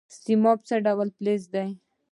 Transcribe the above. سیماب څه ډول فلز دی؟